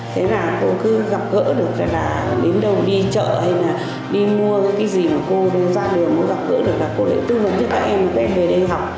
thế là cô cứ gặp gỡ được là đến đâu đi chợ hay là đi mua cái gì mà cô ra đường mới gặp gỡ được là cô lại tư vấn cho các em các em về đây học